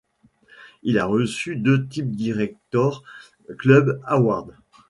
Il a reçu deux Type Directors Club awards.